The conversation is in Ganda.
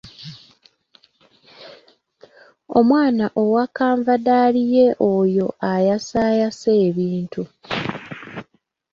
Omwana owa kavandali ye oyo ayasaayasa ebintu.